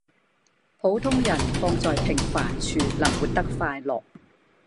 普通人放在平凡處能活得快樂